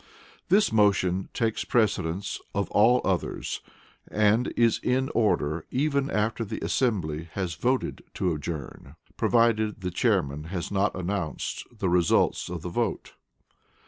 This motion takes precedence of all others, and is in order even after the assembly has voted to adjourn, provided the Chairman has not announced the result of the vote.